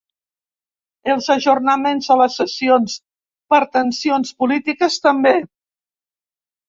Els ajornaments de les sessions per tensions polítiques també.